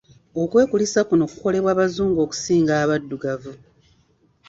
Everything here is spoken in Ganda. Okwekulisa kuno kukolebwa Bazungu okusinga abaddugavu.